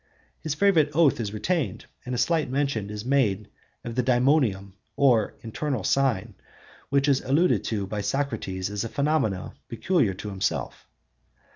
His favorite oath is retained, and a slight mention is made of the daemonium, or internal sign, which is alluded to by Socrates as a phenomenon peculiar to himself.